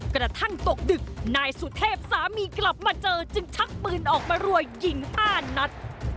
กระทั่งตกดึกนายสุเทพสามีกลับมาเจอจึงชักปืนออกมารัวยิง๕นัด